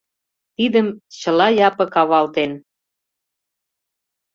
Тидым чыла Япык авалтен.